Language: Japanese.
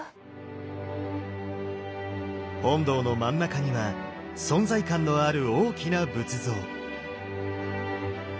本堂の真ん中には存在感のある大きな仏像。